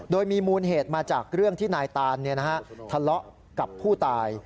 โดยมีมูลเหตุมาจากเรื่องที่นายตานทะเลาะกับผู้ตาย